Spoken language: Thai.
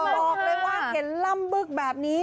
บอกเลยว่าเห็นล่ำบึกแบบนี้